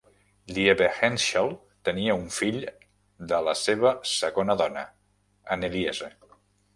Liebehenschel tenia un fill de la seva segona dona, Anneliese.